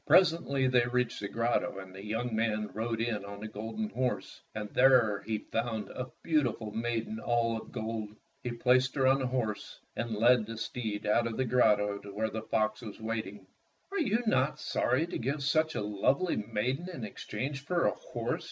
Presently they reached the grotto, and the young man rode in on the golden horse, and there he found a beautiful maiden all of gold. He placed her on the horse and led the steed out of the grotto to where the fox was waiting. "Are you not sorry to give such a lovely maiden in exchange for a horse?"